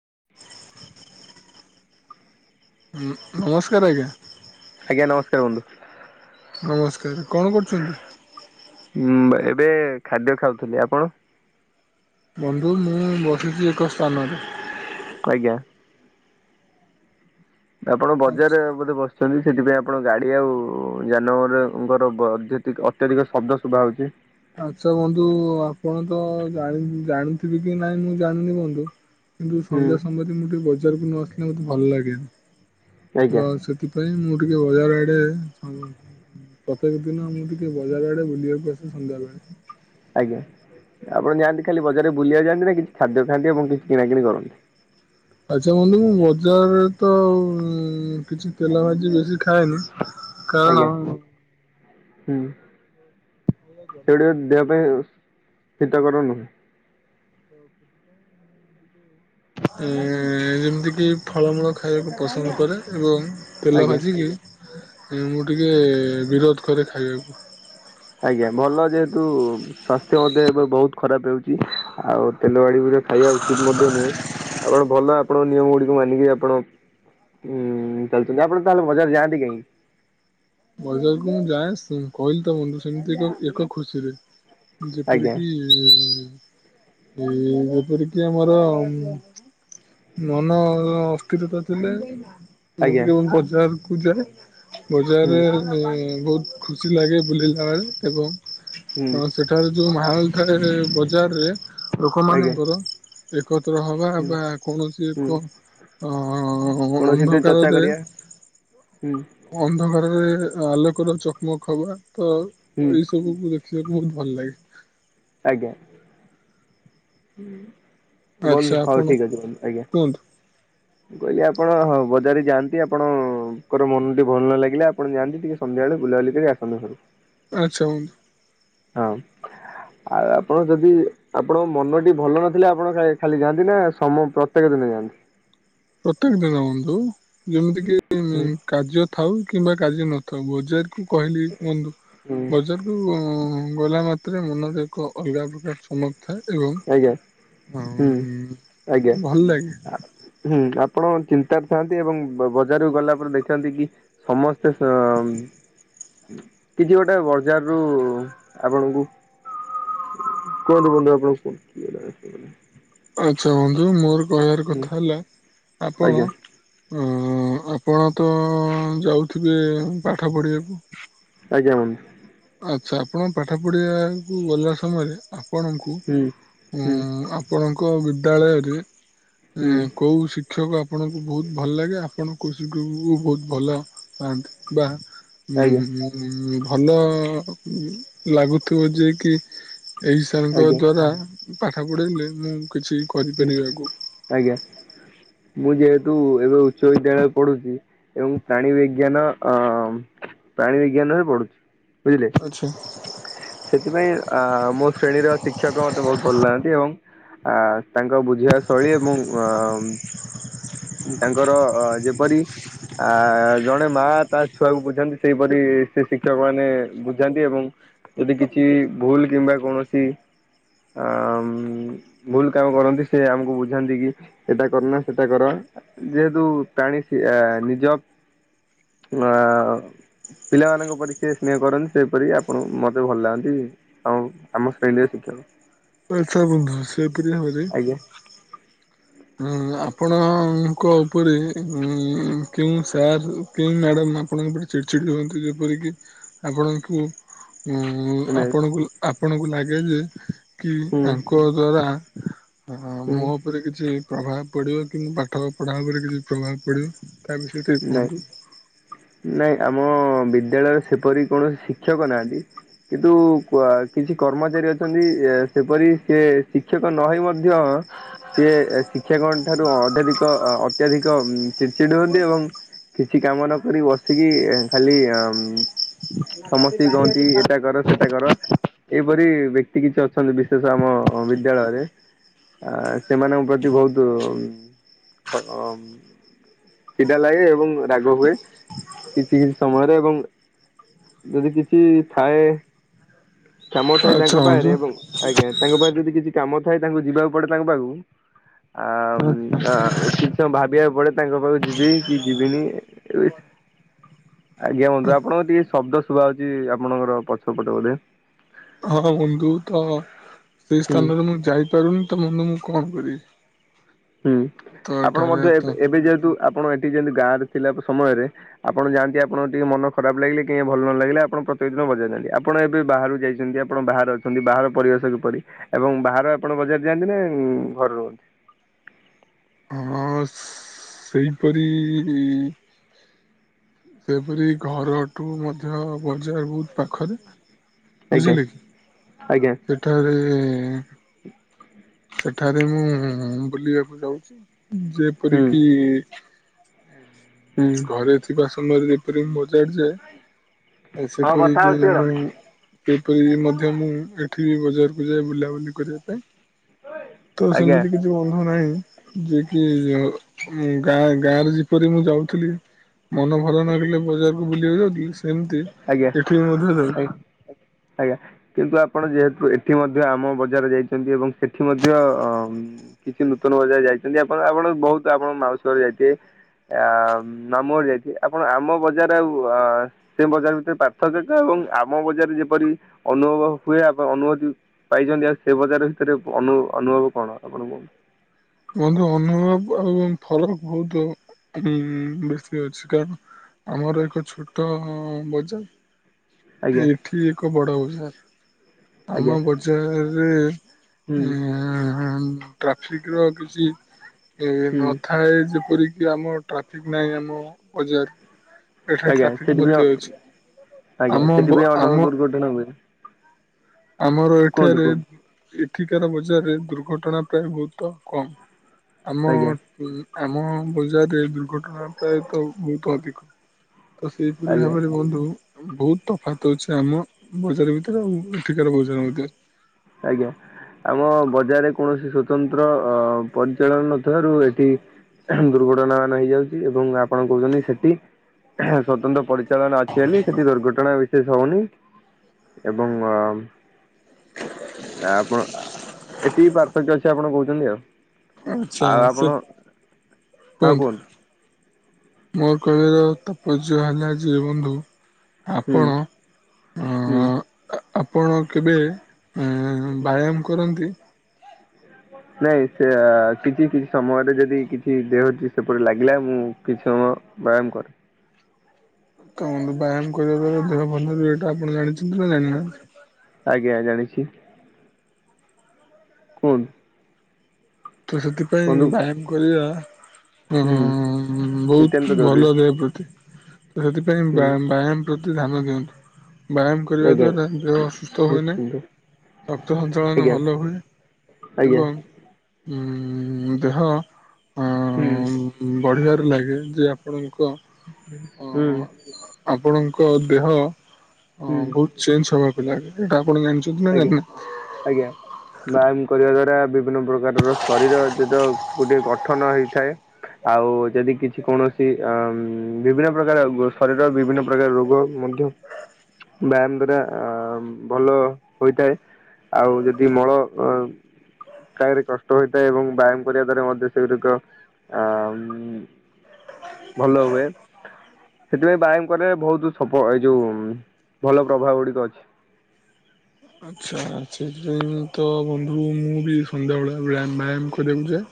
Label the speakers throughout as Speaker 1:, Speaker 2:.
Speaker 1: [inaudible]
Speaker 2: ନମସ୍କାର ଆଜ୍ଞା
Speaker 1: ଆଜ୍ଞା ନମସ୍କାର ବନ୍ଧୁ
Speaker 2: ନମସ୍କାର କଣ କରୁଛନ୍ତି
Speaker 1: ହୁଁ ଏବେ ଖାଦ୍ୟ ଖାଉଥିଲି ଆପଣ
Speaker 2: ବନ୍ଧୁ ମୁଁ ବସିଛି ଏକ ସ୍ଥାନରେ
Speaker 1: ଆଜ୍ଞା ଆପଣ
Speaker 2: ଆଚ୍ଛା
Speaker 1: ବଜାରରେ ବୋଧେ ବସିଛନ୍ତି ସେଥିପାଇଁ ଆପଣ ଗାଡ଼ି ଆଉ ଯାନବାହାନଙ୍କର ଅତ୍ୟଧିକ ଶବ୍ଦ ଶୁଭା ହେଉଛି
Speaker 2: ଆଛା ବନ୍ଧୁ ଆ ଆପଣ ତ ଜାଣି ଜାଣିଥିବେ କି ନାଇଁ ମୁଁ ଜାଣିନି ବନ୍ଧୁ କିନ୍ତୁ
Speaker 1: ହୁଁ
Speaker 2: ସନ୍ଧ୍ୟା ସମୟତରେ ମୁଁ ଟିକେ [unintelligible] ନ ଆସିଲେ ମୋତେ ଭଲ ଲାଗେ
Speaker 1: ଆଜ୍ଞା
Speaker 2: ତ ସେଥିପାଇଁ ମୁଁ ଟିକେ ବଜାର ଆଡେ ପ୍ରତ୍ୟେକ ଦିନ ମୁଁ ଟିକେ ବଜାର ଆଡେ ବୁଲିବାକୁ ଆସି [unintelligible]
Speaker 1: ଆଜ୍ଞା ଆପଣ ଯାଆନ୍ତି ଖାଲି ବଜାରରେ ବୁଲିବାକୁ ଯାଆନ୍ତି ନା କିଛି ଖାଦ୍ୟ ଖାଆନ୍ତି ଏବଂ କିଛି କିଣାକିଣି କରନ୍ତି
Speaker 2: ଆଛା ବନ୍ଧୁ ବଜାରରେ ତ କିଛି ତେଲ ଭାଜି ବେଶୀ ଖାଏନି
Speaker 1: ଆଜ୍ଞା
Speaker 2: କଣ
Speaker 1: ହୁଁ ସେଇଟା ଦେହ ପାଇଁ ହିତକର ନୁହେଁ
Speaker 2: [unintelligible] ଯେମତି କି ଫଳମୂଳ ଖାଇବାକୁ କ ପସନ୍ଦ କରେ ଏବଂ ତେଲ
Speaker 1: ଆଜ୍ଞା
Speaker 2: ଭାଜିକି ମୁଁ ଟିକେ ବିରୋଧ କରେ ଖାଇବାକୁ
Speaker 1: ଆଜ୍ଞା ଭଲ ଯେହେତୁ ସ୍ଵାସ୍ଥ୍ୟ ମଧ୍ୟ ଏବେ ବହୁତ ଖରାପ ହେଉଛି ଆଉ ତେଲ ବାଡି ଖାଇବା ଉଚିତ ମଧ୍ୟ ନୁହେଁ ଆପଣ ଭଲ ଆପଣ ନିୟମ ଗୁଡିକୁ ମାନିକି ଆପଣ ହୁଁ ଚାଲୁଛନ୍ତି ଆପଣ ତାହେଲେ ବଜାରେ ଯାଆନ୍ତି କାହିଁ
Speaker 2: ବଜାରକୁୁ ମୁଁ ଯାଏ କହିଲି ତ ବନ୍ଧୁ ସେମିତି ଏକ ଏକ ଖୁସିରେ
Speaker 1: ଆଜ୍ଞା
Speaker 2: ଯେପରିକି ଏ ଯେପରିକି ଆମର ମନ ଅସ୍ଥିରତା ଥିଲେ ମୁଁ
Speaker 1: ଆଜ୍ଞା
Speaker 2: ଟିକେ ବଜାରକୁ ଯାଏ
Speaker 1: ହୁଁ
Speaker 2: ବଜାରରେ ବହୁତ ଖୁସି ଲାଗେ ବୁଲିବା ଏବଂ
Speaker 1: ହୁଁ
Speaker 2: ହ ସେଠାରେ ଯୋଉ ମାଲ ଥାଏ ବଜାରରେ
Speaker 1: ଆଜ୍ଞା
Speaker 2: ଲୋକମାନଙ୍କର ଏକତ୍ର ହବା
Speaker 1: ହୁଁ।
Speaker 2: ବା କୌଣସି
Speaker 1: ହୁଁ
Speaker 2: ଏକ ଅ ଅ
Speaker 1: କୌଣସିଥିରେ ଚର୍ଚ୍ଚା
Speaker 2: ଅନ୍ଧକାରରେ
Speaker 1: କରିବା ହୁଁ
Speaker 2: ଅନ୍ଧ ଘରେ ଘରେ ରେ ଆଲୋକର ଚକମକ ହବା ତ
Speaker 1: ହୁଁ
Speaker 2: ଏଇ ସବୁକୁ ଦେଖିବାକୁ ବହୁତ ଭଲ ଲାଗେ
Speaker 1: ଆଜ୍ଞା
Speaker 2: ଆଚ୍ଛା
Speaker 1: ବନ୍ଧୁ ହଉ
Speaker 2: ଆପଣ
Speaker 1: ଠିକ ଅଛି ବନ୍ଧୁ ଆଜ୍ଞା
Speaker 2: କୁହନ୍ତୁ
Speaker 1: କହିଲି ଆପଣ ହଁ ବଜାର ଯାଆନ୍ତି ଆପଣଙ୍କର ମନ ଟେ ଭଲ ନ ଲାଗିଲା ଆପଣ ଯାଆନ୍ତି ଟିକେ ସନ୍ଧ୍ୟାବେଳେ ବୁଲାବୁଲି କରି ଆସନ୍ତୁ ଘରକୁ
Speaker 2: ଆଛା ହଉ
Speaker 1: ହଁ ଆଉ ଆପଣ ଯଦି ଆପଣଙ୍କ ମନ ଭଲ ନଥିଲେ ଆପଣ ଖାଲି ଯାଆନ୍ତି ନା ସମ ପ୍ରତ୍ୟେକ ଦିନ ଯାଆନ୍ତି?
Speaker 2: ପ୍ରତ୍ୟେକ ଦିନ ହନ୍ତୁ ଯେମିତି କି
Speaker 1: ହୁଁ
Speaker 2: କାର୍ଯ୍ୟ ଥାଉ କିମ୍ବା କାର୍ଯ୍ୟ ନଥାଉ ବଜାର କୁ କହିଲି ବଧୁ
Speaker 1: ହୁଁ
Speaker 2: ବଜାର କୁ ଙ୍ଗଲା ମାତ୍ରେ ମନରେ ଏକ ଅଲଗା ପ୍ରକାର ସମ ଥାଏ ଏବଂ
Speaker 1: ଆଜ୍ଞା ହୁଁ ଆଜ୍ଞା।
Speaker 2: ଉ ଭଲ ଲାଗେ।
Speaker 1: ଆ- ହୁଁ ଆପଣ ଚିନ୍ତାରେ ଥାନ୍ତି ଏବଂ ବଜାରକୁ ଗଲା ପରେ ଦେଖନ୍ତି କି ସମସ୍ ସ୍ତେ ଆମ। କିଛି ଗୋଟେ ବଜାର ରୁ ଆପଣଙ୍କୁ କୁହନ୍ତୁ ବନ୍ଧୁ ଆପଣ କୁହନ୍ତୁ କିଏ ଗୋଟେ
Speaker 2: ଆଚ୍ଛା ବନ୍ଧୁ ମୋର କହିବାର
Speaker 1: ହୁଁ
Speaker 2: କଥା ହେଲା ଆପଣ
Speaker 1: ଆଜ୍ଞା
Speaker 2: ଅ ଆପଣ ତ ଯାଉଥିବେ ପାଠ ପଢିବାକୁ?
Speaker 1: ଆଜ୍ଞା।
Speaker 2: ଆଚ୍ଛା ଆପଣ ପାଠ ପଢ଼ିବାକୁ ଗଲା ସମୟରେ ଆପଣଙ୍କୁ
Speaker 1: ହୁଁ
Speaker 2: ଉ
Speaker 1: ହୁଁ
Speaker 2: ଆପଣଙ୍କ
Speaker 1: ହୁଁ
Speaker 2: ବିଦ୍ୟାଳୟରେ କୋଉ ଶି ଶିକ୍ଷକ ଆପଣଙ୍କୁ ବହୁତ ଭଲ ଲାଗେ ଆପଣ କଉ ଶିକ୍ଷକ କୁ ବହୁତ ଭଲ ପାଆନ୍ତି ବା
Speaker 1: ଆଜ୍ଞା
Speaker 2: ଉ ଊ ଭଲ ଲାଗୁଥିବ ଯ କି ଏହିଇ ସାର ଙ୍କ
Speaker 1: ଆଜ୍ଞା
Speaker 2: ଦ୍ଵାରା ପାଠ ପଢେଇଲେ ମୁଁ କିଛି
Speaker 1: ହୁଁ
Speaker 2: କରିପାରିବି ଆଗକୁ।
Speaker 1: ଆଜ୍ଞା। ମୁଁ ଯେହେତୁ ଏବେ ଉଚ୍ଚ ବିଦ୍ୟାଳୟରେ ପଢୁଛି ଏବଂ ପ୍ରାଣୀ ବିଜ୍ଞାନ ଅମ ପ୍ରଣି ବିଜ୍ଞାନ ରେ ପଡୁଛି।
Speaker 2: ଆଛା
Speaker 1: ସେଥିପାଇଁ ଅ ମୋ ଶ୍ରେଣୀର ଶିକ୍ଷକ ମତେ ବହୁତ ଭଲ ଲାଗନ୍ତି ଏବଂ ଆ ତାଙ୍କ ବୁଝିବା ଶୈଳୀ ଏବଂ ଆ ତାଙ୍କର ଅ ଯେପରି ଆ ଜଣେ ମା ତା ଛୁଆକୁ ବୁଝାନ୍ତି ସେଇପରି ସେ ଶିକ୍ଷକ ମାନେ ବୁଝାନ୍ତି ଏବଂ ଯଦି କିଛି ଭୁଲ କିମ୍ବା କୌଣସି ଆ ଭୁଲ କାମ କରନ୍ତି ସେ ଆମକୁ ବୁଝାନ୍ତି କି ସେଟା କର ନା ସେଟା କର। ଯେହେତୁ ପ୍ରାଣି ନିଜ ଅ ପିଲାମାନଙ୍କ ପରି ସିଏ ସ୍ନେହ କରନ୍ତି ସେପରି ଆପଣ ମତେ ଭଲ ଲାଗନ୍ତି ଆଉ ଆମ ଶ୍ରେଣୀର ଆ
Speaker 2: ଆଛା ବନ୍ଧୁ ସେ ପିଲବରେ।
Speaker 1: ଆଜ୍ଞା
Speaker 2: ଆପଣଙ୍କ ଉପରେ କେଉଁ ସାର୍ କେଉଁ ମ୍ୟାଡ଼ାମ ଆପଣଙ୍କଟେ ଚିଡି ଚିଡି ହୁଅନ୍ତି ଯେପରିକି ଆପଣଙ୍କୁ ଉଁ
Speaker 1: ଧନ୍ୟବାଦ
Speaker 2: ଆପଣଙ୍କୁ ଆପଣଙ୍କୁ ଲାଗେ ଯେ କି
Speaker 1: ହୁଁ
Speaker 2: ତାଙ୍କ ଦ୍ଵାରା ହଁ
Speaker 1: ହୁଁ
Speaker 2: ମୋ ଉପରେ କିଛି ପ୍ରଭାବ ପଡିବ କିନ୍ତ ପାଠ ପଢା ଉପରେ କିଛି ପ୍ରଭାବ ପଡିବ। ତା ବିଷୟରେ ଟିକେ
Speaker 1: ନାଇଁ
Speaker 2: କୁହନ୍ତୁ।
Speaker 1: ନାଇଁ ଆମ ବିଦ୍ୟାଳୟରେ ସେପରି କୌଣସି ଶିକ୍ଷକ ନାହାନ୍ତି। କିନ୍ତୁ କିଛି କର୍ମଚାରୀ ଅଛନ୍ତି ସେପରି ସେ ଶିକ୍ଷକ ନହଇ ମଧ୍ୟ ସିଏ ଶିକ୍ଷା ଗଣ ଠାରୁ ଅଧାଧିକ ଅତ୍ୟଧିକ ଚିଚି ହୁଅନ୍ତି ଏବଂ କିଛି କାମ ନ କରି ବସିକି ଖାଲି ଅ ସମସ୍ତ କହନ୍ତି ଏଇଟା କର ସେଟା କର। ଏପରି ବ୍ୟକ୍ତି କିଛି ଅଛନ୍ତି ବିଶେଷ ଆମ ବିଦ୍ୟାଳୟରେ। ଆ ସେମାନଙ୍କ ପ୍ରତି ବହୁତ ଖା ଅମ ଲାଗେ ଏବଂ ରାଗ ହୁଏ କିଛି କିଛି ସମୟରେ ଏବଂ ଯଦି କିଛି ଥାଏ କାମ ଥାଏ
Speaker 2: ଆଚ୍ଛା
Speaker 1: ତାଙ୍କ ପାଖରେ
Speaker 2: ବନ୍ଧୁ
Speaker 1: ଏବଂ ଆଜ୍ଞା ତାଙ୍କ ପାଖରେ ଯଦି କିଛି କାମ ଥାଏ ତାଙ୍କୁ ଯିବାକୁ ପଡେ ତାଙ୍କ ପାଖକୁ ଆ କିଛି ସମୟ ଭାବିବାକୁ ପଡେ ତାଙ୍କ ପାଖକୁ ଯିବି କି ଯିବିନି? ଆଜ୍ଞା ବନ୍ଧୁ ଆପଣଙ୍କ ଟିକେ ଶବ୍ଦ ଶୁଭ ହଉଛି ଆପଣଙ୍କର ପଛ ପଟେ ବୋଧେ?
Speaker 2: ହଁ ବନ୍ଧୁ ତ ସେଇ
Speaker 1: ହୁଁ
Speaker 2: ସ୍ଥାନରେ ମୁଁ ଯାଇପାରୁନି ତ ବନ୍ଧୁ ମୁଁ କଣ କରିବି?
Speaker 1: ହୁଁ
Speaker 2: ତ
Speaker 1: ଆପଣ
Speaker 2: ଏଠାରେ
Speaker 1: ମଧ୍ୟ ଏବେ
Speaker 2: ତ
Speaker 1: ଏବେ ଯେହେତୁ ଆପଣ ଏଠି ଯେମିତି ଗାଁରେ ଥିଲା ସମୟରେ ଆପଣ ଯାଆନ୍ତି ଆପଣଙ୍କ ଟିକେ ମନ ଖରାପ ଲାଗିଲେ କାହିଁ ଭଲ ନ ଲାଗିଲେ ଆପଣ ପ୍ରତ୍ୟେକ ଦିନ ବଜାର ଯାଆନ୍ତି ଆପଣ ଏବେ ବାହାରୁ ଯାଇଛନ୍ତି ଆପଣ ବାହାରେ ଅଛନ୍ତି ବାହାର ପରିବେଶ କିପରି ଏବଂ ବାହାର ଆପଣ ବଜାର ଯାଆନ୍ତି ନା ଘରେ ରୁହନ୍ତି?
Speaker 2: ହଁ ସେଇପରି ଇ ସେପରି ଘର ଠୁ ମଧ୍ୟ ବଜାର ବହୁତ ପାଖରେ
Speaker 1: ଆଜ୍ଞା
Speaker 2: ବୁଝିଲେ
Speaker 1: ଆଜ୍ଞା
Speaker 2: ସେଠାରେ ସେଠାରେ ମୁଁ ବୁଲିବାକୁ ଯାଉଛି
Speaker 1: ହୁଁ
Speaker 2: ଯେପରିକି
Speaker 1: ହୁଁ।
Speaker 2: ଘରେ ଥିବା ସମୟରେ ଏପରି ବଜାର ଯାଏ
Speaker 1: ହଁ
Speaker 2: ସେପରି
Speaker 1: କଥା
Speaker 2: କି
Speaker 1: ହଉଛି
Speaker 2: ମୁଁ ସେହିପରି ମଧ୍ୟ ମୁଁ ଏଠି ବଜାରକୁ ଯାଏ ବୁଲାବୁଲି କରିବା ତ
Speaker 1: ଆଜ୍ଞା
Speaker 2: ସେମିତି କିଛି ବନ୍ଧୁ ନାହିଁ ଯିଏ କି? ଗାଁ ଗାଁ ରେ ଯେପରି ମୁଁ ଯାଉଥିଲି ମନ ଭଲ ନ ଲାଗିଲେ ବଜାରକୁ ବୁଲିବାକୁ ଯାଉଥିଲି, ସେମିତି
Speaker 1: ଆଜ୍ଞା,
Speaker 2: ଏଠି ମଧ୍ୟ ଯାଉଛି
Speaker 1: ଆଜ୍ଞା ଆଜ୍ଞା କିନ୍ତୁ ଆପଣ ଯେହେତୁ ଏଠି ସେଠି ମଧ୍ୟ ଆମ ବଜାର ଯାଇଛନ୍ତି ଏବଂ ସେଠି ମଧ୍ୟ କିଛି ନୂତନ ବଜାର ଯାଇଛନ୍ତି ଆପଣ ଆପଣ ବହୁତ ଆପଣ ମାଉସୀ ଘର ଯାଇଥିବେ ଆ ମାମୁ ଘର ଯାଇଥିବ, ଆପଣ ଆମ ବଜାର ଆଉ ଅ ସେ ବଜାର ଭିତରେ ପାର୍ଥକ୍ୟତା ଏବଂ ଆମ ବଜାରରେ ଯେପରି ଅନୁଭବ ହୁଏ ଆ ଅନୁଭୂତି ପାଇଛନ୍ତି ସେ ବଜାର ଭିତରେ ଅନୁ ଅନୁଭବ କଣ ଆପଣଙ୍କୁ?
Speaker 2: ବନ୍ଧୁ ଅନୁଭବ ଏବଂ ଫରକ ବହୁତ ଆଉ। ହୁଁ ବେଶୀ ଅଛି ।କାରଣ ଆମର ଏକ ଛୋଟ ବଜାର,
Speaker 1: ଆଜ୍ଞା
Speaker 2: ଏଠି ଏକ ବଡ଼ ବଜାର।
Speaker 1: ଆଜ୍ଞା
Speaker 2: ଆମ ବଜାରରେ
Speaker 1: ହୁଁ
Speaker 2: ହଁ ହଁ ହଁ ଟ୍ରାଫିକ ର କିଛି ଏ
Speaker 1: ହୁଁ
Speaker 2: ନଥାଏ ଯେପରିକି ଆମ ଟ୍ରାଫିକ ନାହିଁ ଆମ ବଜାର୍ ରେ। ଏଠାରେ
Speaker 1: ଆଜ୍ଞା
Speaker 2: ଟ୍ରାଫିକ
Speaker 1: ସେଥିପାଇଁ
Speaker 2: ମଧ୍ୟ ଅଛି।
Speaker 1: ଆଜ୍ଞା
Speaker 2: ଆମ ବ
Speaker 1: ସେଥିପାଇଁ ଅନେକ
Speaker 2: ଆମ
Speaker 1: ଦୁର୍ଘଟଣା ହୁଏ
Speaker 2: ଆମର
Speaker 1: କୁହନ୍ତୁ
Speaker 2: ଏଠାରେ,
Speaker 1: କୁହନ୍ତୁ
Speaker 2: ଏଠିକାର ବଜାରରେ ଦୁର୍ଘଟଣା ପ୍ରାୟ ବହୁତ କମ୍। ଆମ
Speaker 1: ଆଜ୍ଞା
Speaker 2: [unintelligible] ଆମ ବଜାରରେ ଦୁର୍ଘଟଣା ପ୍ରାୟତ ବହୁତ ଅଧିକ। ତ ସେଇପରି
Speaker 1: ଆଜ୍ଞା
Speaker 2: ଭାବରେ ବନ୍ଧୁ ବହୁତ ତଫାତ ଅଛି ଆମ ବଜାର ଭିତରେ ଆଉ ଏଠିକାର ବଜାର ମଧ୍ୟରେ।
Speaker 1: ଆଜ୍ଞା। ଆମ ବଜାରରେ କୌଣସି ସ୍ଵତନ୍ତ୍ର ଅ ପରିଚାଳନା ନଥିବାରୁ ଏଠି ଦୁର୍ଘଟଣା ମାନ ହେଇଯାଉଛି ଏବଂ ଆପଣ କହୁଛନ୍ତି ସେଠି ସ୍ୱତନ୍ତ୍ର ପରି ଚାଳନା ଅଛି ବୋଲି ସେଠି ଦୁର୍ଘଟଣା ବିଶେଷ ହଉନି ଏବଂ ଆ ଆପଣ ଏତିକି ପାର୍ଥକ୍ୟ ଅଛି ଆପଣ କହୁଛନ୍ତି ଆଉ।
Speaker 2: ଆଚ୍ଛା
Speaker 1: ଆଉ
Speaker 2: ସେ
Speaker 1: ଆପଣ ହଁ କୁହନ୍ତୁ।
Speaker 2: ମୋ କହିବାର ତାତ୍ପର୍ଯ୍ୟ ହେଲା ଯେ ବନ୍ଧୁ,
Speaker 1: ହୁଁ
Speaker 2: ଆପଣ
Speaker 1: ହୁଁ।
Speaker 2: ଅ ଆପଣ କେବେ ବ୍ୟାୟାମ କରନ୍ତି?
Speaker 1: ନାଇଁ ସେ କିଛି କିଛି ସମୟରେ ଯଦି କିଛି ଦେହ ଟିକେ ସେପରି ଲାଗିଲା ମୁଁ କିଛି ସମୟ ବ୍ୟାୟାମ କରେ।
Speaker 2: ଦେଖନ୍ତୁ ବନ୍ଧୁ ବ୍ୟାୟାମ୍ କରିବା ଦ୍ୱାରା ଦେହ ଭଲ ରୁହେ ଏଇଟା ଆପଣ ଜାଣିଛନ୍ତି ନା ଜାଣିନାହାନ୍ତି?
Speaker 1: ଆଜ୍ଞା ଜାଣିଛି। କୁହନ୍ତୁ
Speaker 2: ତ ସେଥିପାଇଁ
Speaker 1: ବନ୍ଧୁ
Speaker 2: ବ୍ୟାୟାମ କରିବା ହୁଁଁ ହୁଁ ହୁଁ
Speaker 1: ନିତ୍ୟାନ୍ତ
Speaker 2: ବହୁତ
Speaker 1: ଜରୁରୀ।
Speaker 2: ଭଲ ଦେହ ପ୍ରତି। ତ ସେଥିପାଇଁ
Speaker 1: ହୁଁ
Speaker 2: ବ୍ୟାୟାମ ବ୍ୟାୟାମ ପ୍ରତି ଧ୍ୟାନ ଦିଅନ୍ତୁ। ବ୍ୟାୟାମ କରିବା
Speaker 1: ଆଜ୍ଞା
Speaker 2: ଦ୍ୱାରା ଦେହ ଅସୁସ୍ଥ ହୁଏ
Speaker 1: ନିଶ୍ଚିନ୍ତ
Speaker 2: ନାହିଁ ରକ୍ତ ସଞ୍ଚାଳନ
Speaker 1: ଆଜ୍ଞା
Speaker 2: ଭଲ ହୁଏ
Speaker 1: ଆଜ୍ଞା
Speaker 2: ଏବଂ ଉ ଦେହ
Speaker 1: ହୁଁ
Speaker 2: ବଢିବାରେ ଲାଗେ ଯେ ଆପଣ ଙ୍କ
Speaker 1: ହୁଁ
Speaker 2: ଆପଣଙ୍କ ଦେହ
Speaker 1: ହୁଁ
Speaker 2: ଅ ବହୁତ ଚେଞ୍ଜ ହବାକୁ ଲାଗେ ଏଟା
Speaker 1: ଆଜ୍ଞା ଆଜ୍ଞା ବ୍ୟାୟାମ କରିବା ଦ୍ଵାରା ବିଭିନ୍ନ ପ୍ରକାରର ଶରୀର ଯଦି ଗୋଟେ ଗଠନ ହେଇଥାଏ। ଆଉ ଯଦି କିଛି କୌଣସି ଅ ବିଭିନ୍ନ ପ୍ରକାର ଶରୀର ବିଭିନ୍ନ ପ୍ରକାର ରୋଗ ମଧ୍ୟ ବ୍ୟାୟାମ ଦ୍ଵାରା ଭଲ ହୋଇଥାଏ ଆଉ ଯଦି ମଳ ଅ କାହାରି କଣ୍ଟ ହୋଇଥାଏ ଏବଂ ବ୍ୟାୟାମ କରିବା ଦ୍ଵାରା ମଧ୍ୟ ସେଗୁଡିକ ଆ ଭଲ ହୁଏ। ସେଥିପାଇଁ ବ୍ୟାୟାମ କରେ ବହୁତ ସ ଏଇ ଯୋଉ ଭଲ ପ୍ରଭାବ ଗୁଡିକ ଅଛି। ହ
Speaker 2: ଆଚ୍ଛା ସେଥିପାଇଁ ତ ବନ୍ଧୁ ମୁଁ ବି ସନ୍ଧ୍ୟାବେଳେ ବଳେୟ ବ୍ୟାୟାମ କରିବାକୁ ଯାଏ।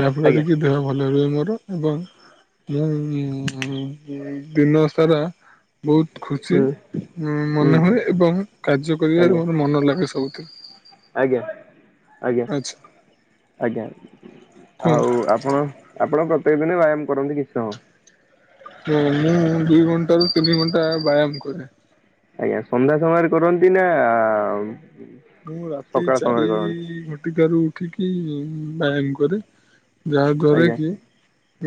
Speaker 2: ଯାହାଫଳରେ
Speaker 1: ଆଜ୍ଞା
Speaker 2: କି ଦେହ ଭଲ ରୁହେ ମୋର। ଏବଂ ମୁଁ ଦିନ ସାରା ବହୁତ ଖୁସି
Speaker 1: ହୁଁ
Speaker 2: ମନେ
Speaker 1: ହୁଁ
Speaker 2: ହୁଏ ଏବଂ କାର୍ଯ୍ୟ କରିବାର
Speaker 1: ଆଜ୍ଞା
Speaker 2: ମ ମନ ଲାଗେ ସବୁଥିରେ।
Speaker 1: ଆଜ୍ଞା। ଆଜ୍ଞା
Speaker 2: ଆଚ୍ଛା
Speaker 1: ଆଜ୍ଞା
Speaker 2: କୁହନ୍ତୁ
Speaker 1: ଆଉ ଆପଣ ଆପଣଙ୍କ ପା ତେକ ଦିନ ବ୍ୟାୟାମ କରନ୍ତି କିଛି ସମୟ?
Speaker 2: ହଁ ମୁଁ ଦିଇ ଘଣ୍ଟା ରୁ ତିନି ଘଣ୍ଟା ବ୍ୟାୟାମ କରେ।
Speaker 1: ଆଜ୍ଞା ସନ୍ଧ୍ୟା ସମୟରେ କରନ୍ତି ନା?
Speaker 2: ମୁଁ ରାତି
Speaker 1: ସକାଳ
Speaker 2: ଚାରି
Speaker 1: ସମୟରେ କରନ୍ତି?
Speaker 2: ଘଟିକା ରୁ ଉଠିକି ବ୍ୟାୟାମ କରେ। ଯାହା ଦ୍ଵାରା
Speaker 1: ଆଜ୍ଞା
Speaker 2: କି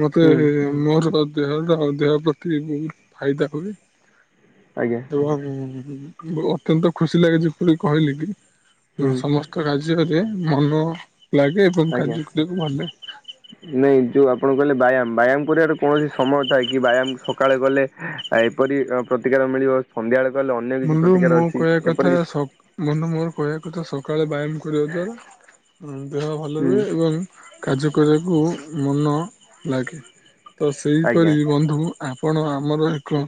Speaker 2: ମତେ
Speaker 1: ହୁଁ
Speaker 2: ମୋର ଦେହର ଦେହ ପ୍ରତି ବହୁତ ଫାଇଦା ହୁଏ
Speaker 1: ଆଜ୍ଞା
Speaker 2: ଏବଂ ଅତ୍ୟନ୍ତ ଖୁସି ଲାଗେଛି ଯେପରି କହିଲି କି
Speaker 1: ହୁଁ
Speaker 2: ସମସ୍ତ କାର୍ଯ୍ୟ ମନ ଲାଗେ ଏବଂ
Speaker 1: ଆଜ୍ଞା।
Speaker 2: କାର୍ଯ୍ୟ କରିବାକୁ ଭାଲ ଲାଗେ।
Speaker 1: ନାଇଁ ଯୋଉ ଆପଣ କଲେ ବ୍ୟାୟାମ ବ୍ୟାୟାମ କରିବାର କୌଣସି ସମୟ ଥାଏ କି ବ୍ୟାୟାମ ସକାଳେ ଗଲେ ଏପରି ପ୍ରତିକାର ମିଳିବ ସନ୍ଧ୍ୟାବେଳେ କଲେ ଅନ୍ୟ କିଛି
Speaker 2: ବନ୍ଧୁ
Speaker 1: ପ୍ରତିକାର
Speaker 2: ମଁ
Speaker 1: ଅଛି
Speaker 2: କହିବା କଥା
Speaker 1: ଏପରି
Speaker 2: ସଖ ବନ୍ଧୁ ମୋର କହିବା ଥା ସକାଳେ ବ୍ୟାୟାମ କରିବା ଦ୍ଵାରା ଦେହ ଭଲ
Speaker 1: ହୁଁ
Speaker 2: ରୁହେ ଏବଂ କାର୍ଯ୍ୟ କରିବାକୁ ମନ ଲାଗେ ତ
Speaker 1: ଆଜ୍ଞା
Speaker 2: ସେହିପରି ବନ୍ଧୁ ଆପଣ ଆମର ଏକ
Speaker 1: ହୁଁ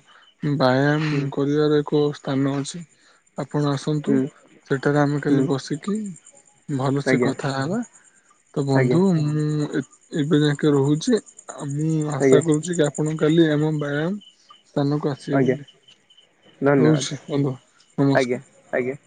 Speaker 1: ହୁଁ
Speaker 2: ବ୍ୟାୟାମ କରିବାର ଏକ ସ୍ଥାନ ଅଛି। ଆପଣ ଆସନ୍ତୁ
Speaker 1: ହୁଁ
Speaker 2: ସେଠାରେ ଆମେ କାଲି
Speaker 1: ହୁଁ
Speaker 2: ବସିକି ଭଲସେ
Speaker 1: ଆଜ୍ଞା
Speaker 2: କଥା ହେବା। ତ ବନ୍ଧୁ
Speaker 1: ଆଜ୍ଞା
Speaker 2: ମୁଁ ଏବେ ଯାକେ ରହୁଛି ଆଉ ମୁଁ ଆଶା
Speaker 1: ଆଜ୍ଞା
Speaker 2: କରୁଛି କି ଆପଣ କାଲି ଆମ ବ୍ୟାୟାମ ସ୍ଥାନକୁ ଆସିବେ
Speaker 1: ଆଜ୍ଞା
Speaker 2: ବୋଲି
Speaker 1: ଧନ୍ୟବାଦ
Speaker 2: ରହୁଛି ବନ୍ଧ
Speaker 1: ଆଜ୍ଞା
Speaker 2: ନମସ୍କାର।
Speaker 1: ଆଜ୍ଞା